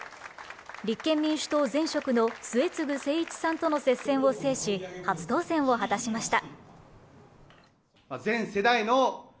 立憲民主党・前職の末次精一さんとの接戦を制し、初当選を果たしました。